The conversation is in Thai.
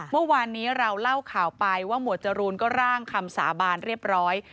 เมื่อวานนี้เราเล่าข่าวไปว่าหมวดจรูนก็ร่างคำสาบานเรียบร้อย